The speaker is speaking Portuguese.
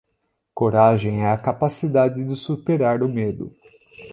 Coragem é a capacidade de superar o medo.